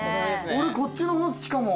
俺こっちの方好きかも。